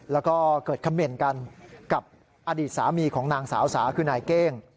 แล้วก็เกิดคำเมนต์กันกับอดีตสามีของนางสาวสาคือนายเก้ง